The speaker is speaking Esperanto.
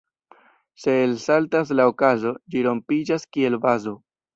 Se elsaltas la okazo, ĝi rompiĝas kiel vazo.